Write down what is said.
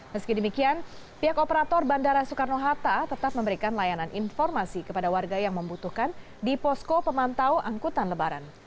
meski demikian pihak operator bandara soekarno hatta tetap memberikan layanan informasi kepada warga yang membutuhkan di posko pemantau angkutan lebaran